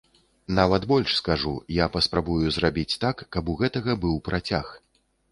Нават больш скажу, я паспрабую зрабіць так, каб у гэтага быў працяг.